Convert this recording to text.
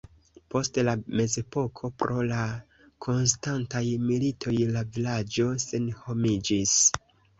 Post la mezepoko pro la konstantaj militoj la vilaĝo senhomiĝis.